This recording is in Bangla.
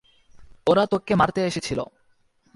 ওরা তোকে মারতে এসেছিল।